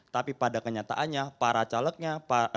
kepada kenyataannya para calegnya